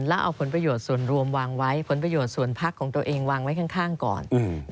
แล้วเอาผลประโยชน์ส่วนรวมวางไว้ผลประโยชน์ส่วนพักของตัวเองวางไว้ข้างก่อน